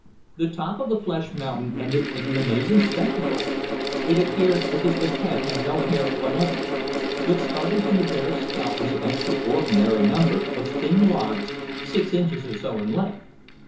The top of the flesh mountain ended in an amazing spectacle. It appeared as if the head had no hair whatever; but starting from the bare scalp was an extraordinary number of thin rods, six inches or so in length.